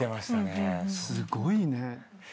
すごいね。